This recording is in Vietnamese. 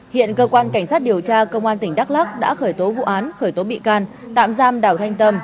hiện cơ quan cảnh sát điều tra công an tỉnh đắk lắc đã khởi tố vụ án khởi tố bị can tạm giam đào thanh tâm